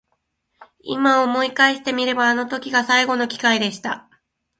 今思い返してみればあの時が最後の機会でした。